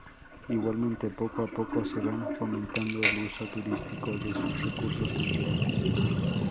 Igualmente, poco a poco se van fomentando el uso turístico de sus recursos naturales.